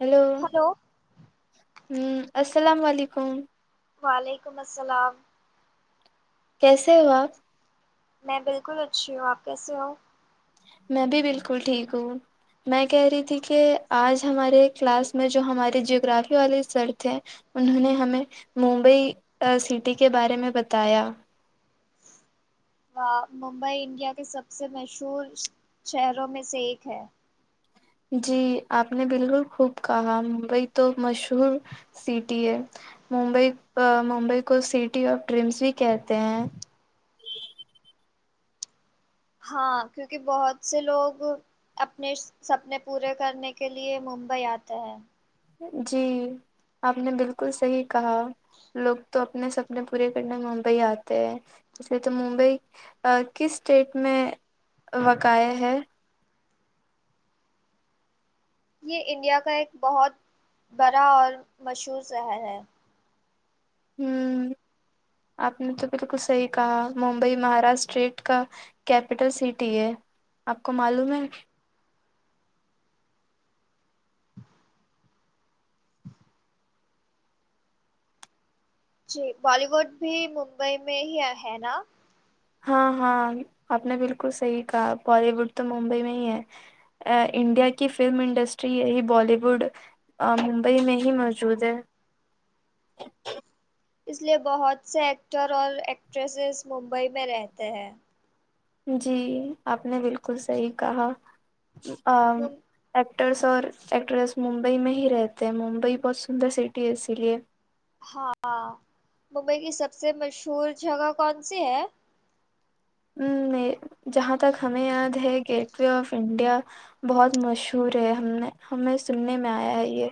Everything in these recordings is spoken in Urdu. ہیلو ہلو ہ السلام علیکم وعلیکم السلام کیسے ہواپ میں بالکل اچھی ہوں آپ کیسے ہو میں بھی بالکل ٹھیک ہوں میں کہہ رہی تھی کہ آج ہمارے کلاس میں جو ہمارے جیگرافی والے سر تھے انہوں نے ہمیں ممبئی سٹی آ کے بارے میں بتایا واں ممبئی انڈیا کے سب سے مشہور شہروں میں سے ایک ہے جی آپ نے بالکل خوب کہا ممبئی تو مشہور سٹی ہے ممبئی آ ممبئی کو سٹی آف ڈرینس بھی کہتے ہیں ہاں کیونکہ بہت سے لوگ اپنے سپنے پورے کرنے کے لیے ممبئی آتے ہیں جی آپ نے بالکل صحیح کہا لوگ تو اپنے سپنے پورے کرنے ممبئی آتے ہیں ویسے تو ممبئی کس اسٹیٹ میں واقاع ہے یہ انڈیا کا ایک بہت بڑا اور مشہور شہر ہے ہوں آپ نے تو بالکل صحیح کہا ممبئی مہاراشٹراسٹیٹ کا کیپٹل سٹی ہے آپ کو معلوم ہے جی بالی ووڈ بھی ممبئی میں ہی ہے نا ہاں ہاں آپ نے بالکل صحیح کہا بالی ووڈ تو ممبئی میں ہی ہے انڈیا کی فلم انڈسٹری یہی بالی ووڈ آ ممبئی میں ہی موجود ہے اس لیے بہت سے ایکٹر اور ایکٹریسز ممبئی میں رہتے ہیں جی آپ نے بالکل صحیح کہا ام مم- ایکٹرس اور ایکٹریس ممبئی میں ہی رہتے ہیں ممبئی بہت سندر سٹی ہے اسی لیے ہاں ممبئی کی سب سے مشہور جگہ کون سی ہے ہ جہاں تک ہمیں یاد ہے گیٹ وے آف انڈیا بہت مشہور ہے ہم نے ہمیں سننے میں آیا ہے یہ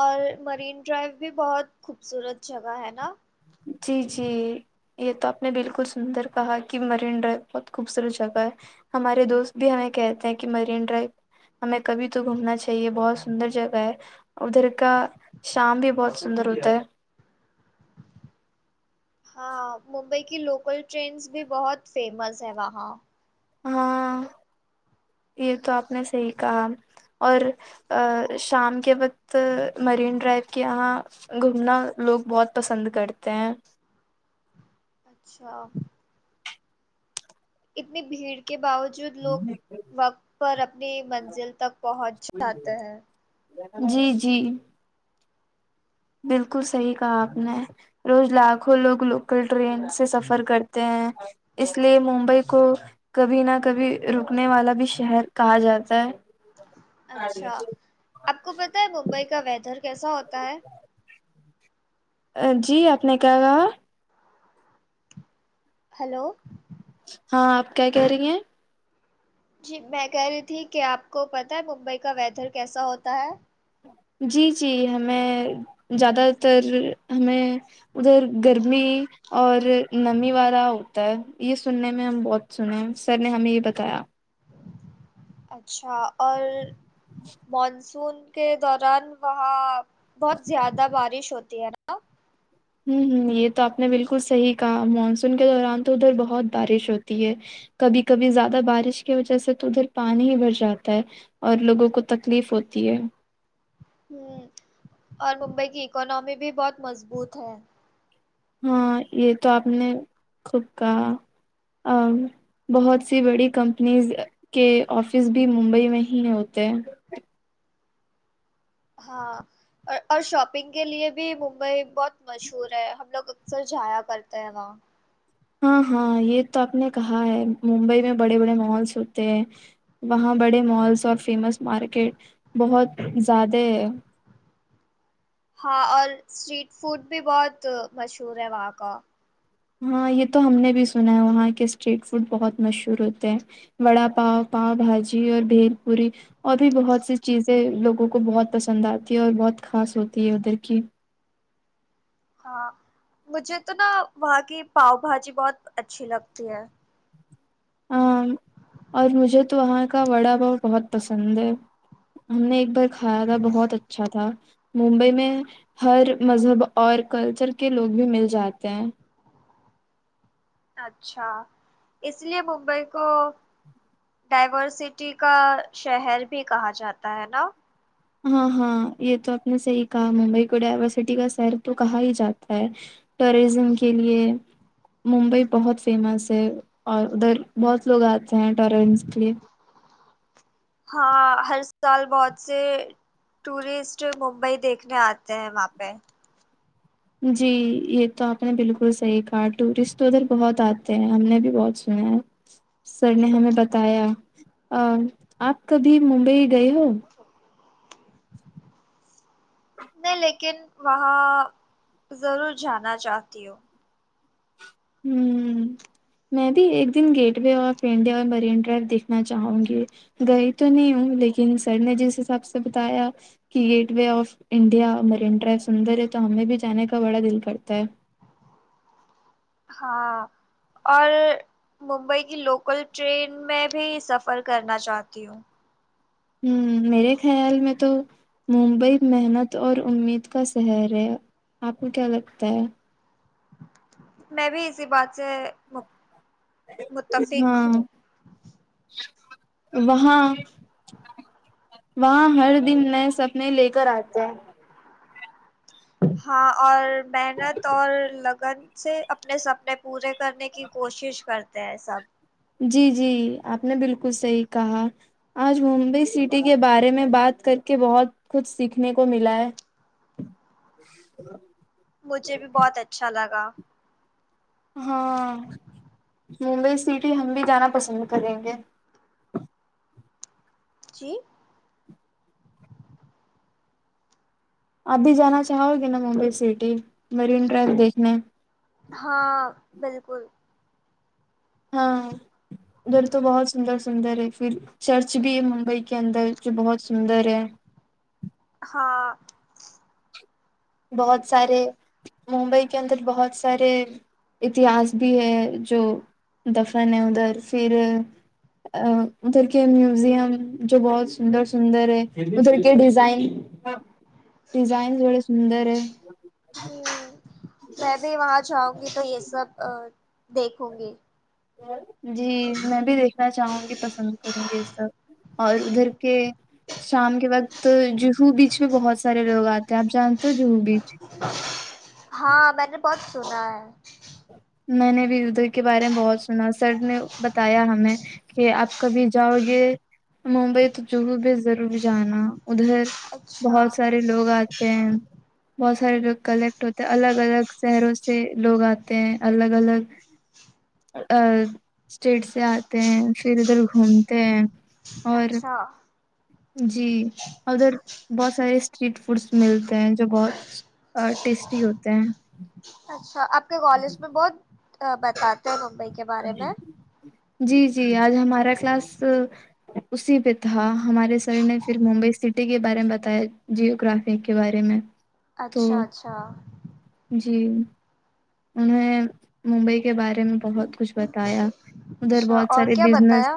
اور مرین ڈرائیو بھی بہت خوبصورت جگہ ہے نا جی جی یہ تو آپ نے بالکل سندر کہا کہ مرین ڈرائیو بہت خوبصورت جگہ ہے ہمارے دوست بھی ہمیں کہتے ہیں کہ مرین ڈرائیو ہمیں کبھی تو گھومنا چاہیے بہت سندر جگہ ہے ادھر کا شام بھی بہت سندر ہوتا ہے ہاں ممبئی کی لوکل ٹرینس بھی بہت فیمس ہے وہاں ہاں یہ تو آپ نے صحیی کہا اور ا شام کے وقت مرین ڈرائیو کے یہاں گھومنا لوگ بہت پسند کرتے ہیں اچھا اتنی بھیڑ کے باوجود لوگ وقت پر اپنی منزل تک پہنچ جاتے ہیں جی جی بالکل صحیح کہا آپ نے روز لاکھوں لوگ لوکل ٹرین سے سفر کرتے ہیں اس لیے ممبئی کو کبھی نہ کبھی رکنے والا بھی شہر کہا جاتا ہے اچھا آپ کو پتہ ہے ممبئی کا ویدھرر کیسا ہوتا ہے جی آپ نے کیا کہا ہیلو ہاں آپ کیا کہہ رہی ہیں جی میں کہہ رہی تھی کہ آپ کو پتہ ہے ممبئی کا ویدر کیسا ہوتا ہے جی جی ہمیں زیادہ تر ہمیں ادھر گرمی اور نمی والا ہوتا ہے یہ سننے میں ہم بہت سنے ہیں سر نے ہمیں یہ بتایا اچھا اور مانسون کے دوران وہاں بہت زیادہ بارش ہوتی ہے نا ہوں ہوں یہ تو آپ نے بالکل صحیح کہا مانسون کے دوران تو ادھر بہت بارش ہوتی ہے کبھی کبھی زیادہ بارش کی وجہ سے تو ادھر پانی ہی بھر جاتا ہے اور لوگوں کو تکلیف ہوتی ہے ہ اور ممبئی کی اکناممی بھی بہت مضبوط ہے ہاں یہ تو آپ نے خوب کہا اور بہت سی بڑی کمپنیز کے آفس بھی ممبئی میں ہی ہوتے ہیں ہاں اور شاپنگ کے لیے بھی ممبئی بہت مشہور ہے ہم لوگ اکثر جایا کرتے ہیں وہاں ہاں ہاں یہ تو آپ نے کہا ہے ممبئی میں بڑے بڑے مالس ہوتے ہیں وہاں بڑے مالس اور فیمس مارکیٹ بہت زیادہ ہے ہاں اور اسٹریٹ فوڈ بھی بہت مشہور ہے وہاں کا ہاں یہ تو ہم نے بھی سنا ہے وہاں کے اسٹریٹ فوڈ بہت مشہور ہوتے ہیں وڑا پاؤ پاؤ بھاجی اور بھیل پوری اور بھی بہت سی چیزیں لوگوں کو بہت پسند آتی ہے اور بہت خاص ہوتی ہے ادھر کی ہاں مجھے تو نا وہاں کی پاؤ بھاجی بہت اچھی لگتی ہے ہ اور مجھے تو وہاں کا وڑا پاؤ بہت پسند ہے ہم نے ایک بار کھایا تھا بہت اچھا تھا ممبئی میں ہر مذہب اور کلچر کے لوگ بھی مل جاتے ہیں اچھا اس لیے ممبئی کو ڈائورسٹی کا شہر بھی کہا جاتا ہے نا ہاں ہاں یہ تو آپ نے صحیح کہا ممبئی کو ڈائیورسٹی کا سر تو کہا ہی جاتا ہے ٹورزم کے لیے ممبئی بہت فیمس ہے اور ادھر بہت لوگ آتے ہیں ٹورنس کے لیے ہاں ہر سال بہت سے ٹورسٹ ممبئی دیکھنے آتے ہیں وہاں پہ جی یہ تو آپ نے بالکل صحیح کہا ٹورسٹ تو ادھر بہت آتے ہیں ہم نے بھی بہت سنا ہے سر نے ہمیں بتایا آپ کبھی ممبئی گئے ہو نہیں لیکن وہاں ضرور جانا چاہتی ہوں ہوں میں بھی ایک دن gateway of India Marine drive دیکھنا چاہوں گی گئی تو نہیں ہوں لیکن سر نے جس حساب سے بتایا کہ gateway of India Marine dry سندر ہے تو ہمیں بھی جانے کا بڑا دل کرتا ہے ہاں اور ممبئی کی لوکل ٹرین میں بھی سفر کرنا چاہتی ہوں ہوں میرے خیال میں تو ممبئی محنت اور امید کا شہر ہے آپ کو کیا لگتا ہے میں بھی اسی بات سے مب ہ وہاں وہاں ہر دن نئے سپنے لے کر آتے ہے ہاں اور محنت اور لگن سے اپنے سپنے پورے کرنے کی کوشش کرتے ہیں سب جی جی آپ نے بالکل صحیح کہا آج ممبئی سٹی کے بارے میں بات کر کے بہت کچھ سیکھنے کو ملا ہے [inaudible] مجھے بھی بہت اچھا لگا ہاں ممبئی سٹی ہم بھی جانا پسند کریں گے جی آپ بھی جانا چاہو گے نا ممبئی سٹی مرین ٹریک دیکھنے ہاں بالکل ہاں ادھر تو بہت سندر سندر ہے پھر چرچ بھی ہے ممبئی کے اندر جو بہت سندر ہے ہاں بہت سارے ممبئی کے اندر بہت سارے اتہاس بھی ہے جو دفن ہے ادھر پھر ا ادھر کے میوزیم جو بہت سندر سندر ہے مب کہ ڈیزائن ڈیزائن اندر ہے ہوں میں بھی وہاں جاؤں گی تو یہ سب دیکھوں گی جی میں بھی دیکھنا چاہوں گی پسند کروں گی سب اور ادھر کے شام کے وقت جوہو بیچ میں بہت سارے لوگ آتے ہیں آپ جانتے ہو جوہو بیچ ہاں میں نے بہت سنا ہے میں نے بھی ادھر کے بارے میں بہت سنا سر نے بتایا ہمیں کہ آپ کبھی جاؤ گے ممبئی تو جوہو بیچ ضرور جانا ادھر اچھا بہت سارے لوگ آتے تے ہیں بہت سارے لوگ کلیکٹ ہوتے ہیں الگ الگ شہروں سے لوگ آتے ہیں الگ الگ اسٹیٹ سے آتے ہیں پھر ادھر گھومتے ہیں اور اچھا جی ادھر بہت سارے اسٹریٹ فوڈس ملتے ہیں جو بہت اور ٹیسٹی ہوتے ہیں اچھا آپ کے کالج میں بہت بتاتے ہیں ممبئی کے بارے میں جی جی آج ہمارا کلاس اسی پہ تھا ہمارے سر نے پھر ممبئی سٹی کے بارے میں بتایا جیو گراف گرافی کے بارے میں تو اچھا اچھا جی انہیں ممبئی کے بارے میں بہت کچھ بتایا ادھر اچھا بہت اور سارے کیا بزنس بتایا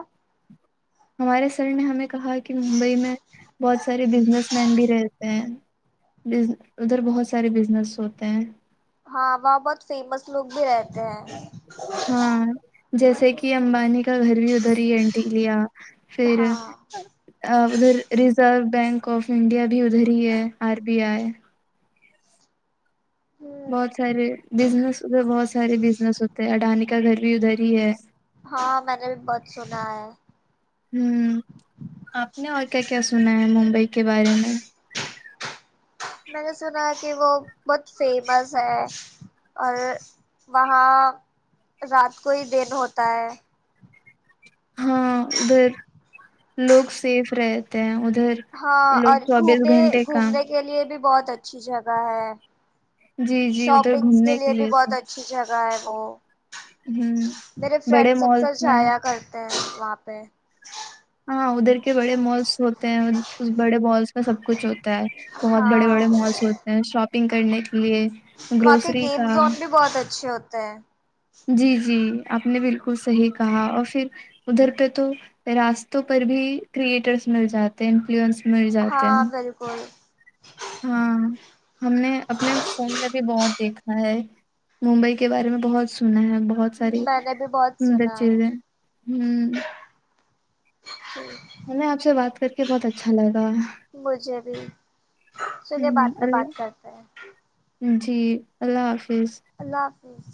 ہمارے سر نے ہمیں کہا کہ ممبئی میں بہت سارے بزنس مین بھی رہتے ہیں ادھر بہت سارے بزنس ہوتے ہیں ہاں وہاں بہت فیمس لوگ بھی رہتے ہیں ہاں جیسے کہ امبانی کا گھر بھی ادھر ہی اینٹی لیا فھر ہاں ادھر ریزرو بینک آف انڈیا بھی ادھر ہی ہے آر بی آئی ہ بہت سارے بزنس ادھر بہت سارے بزنس ہوتے ہیں اڈانی کا گھر بھی ادھر ہی ہے ہاں میں نے بھی بہت سنا ہے ہوں آپ نے اور کیا کیا سنا ہے ممبئی کے بارے میں میں نے سنا ہے کہ وہ بہت فیمس ہے اور وہاں رات کو ہی دن ہوتا ہے ہاں ادھر لوگ سیف رہتے ہیں ادھر ہاں لوگ اور چوبیس گھومنے گھنٹے کام گھومنے کے لیے بھی بہت اچھی جگہ ہے جی جی ادھر شاپنگس کے گھومنے لیے بھی بہت تھے اچھی جگہ ہے وہ ہ میرے بڑے فرینڈس مالس اکثر میں جایا کرتے ہیں وہاں پہ ہاں ادھر کے بڑے مالس ہوتے ہیں بڑے مالس میں سب کچھ ہو ہوتا ہے بہت بڑے ہاں بڑے مالس ہوتے ہیں شاپنگ کرنے کے لیے وہاں کے گروسری گیم کا زون بھی بہت اچھے ہوتے ہیں جی جی آپ نے بالکل صحیح کہا اور پھر ادھر پہ تو راستوں پر بھی کریئٹرس مل جاتے ہیں انفلوئنس مل جاتے ہاں ہیں بالکل ہاں ہم نے اپنے فون میں بھی بہت دیکھا ہے ممبئی کے بارے میں بہت سنا ہے بہت ساری میں نے بھی بہت سندر سنا چیزیں ہے ہمم ہاں ہمیں آپ سے بات کر کے بہت اچھا لگا مجھے بھی ہ چلیے بات میں بات اللہ کرتے ہیں جی اللہ حافظ اللہ حافظ